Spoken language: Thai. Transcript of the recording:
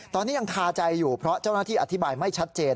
ตอนนี้ยังคาใจอยู่เพราะเจ้าหน้าที่อธิบายไม่ชัดเจน